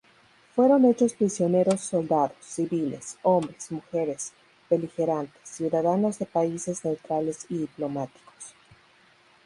Fueron hechos prisioneros soldados, civiles, hombres, mujeres, beligerantes, ciudadanos de países neutrales y diplomáticos.